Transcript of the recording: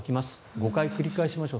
５回繰り返しましょう。